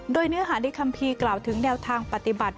โดยเนื้อหาในคัมภีร์กล่าวถึงแนวทางปฏิบัติ